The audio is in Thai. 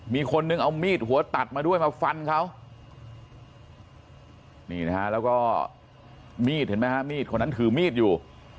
มีคนนึงเอามีดหัวตัดมาด้วยมาฟันเขานี่นะฮะแล้วก็มีดเห็นไหมฮะมีดคนนั้นถือมีดอยู่